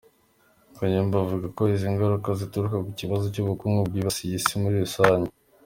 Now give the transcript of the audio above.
Kayumba avuga ko izi ngaruka zituruka ku kibazo cy’ubukungu bwibasiye isi muri rusange.